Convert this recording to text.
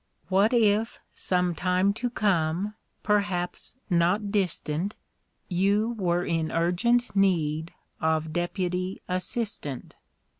What if some time to come, perhaps not distant, You were in urgent need of Deputy Assistant!